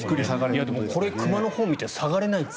でも、これ熊のほうを見て下がれないって。